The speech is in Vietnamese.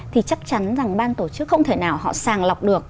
thì chắc chắn rằng ban tổ chức không thể nào họ sàng lọc được